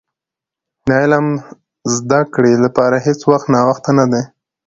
د علم زدي کړي لپاره هيڅ وخت ناوخته نه دي .